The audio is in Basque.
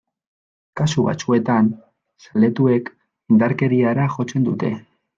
Kasu batzuetan, zaletuek indarkeriara jotzen dute.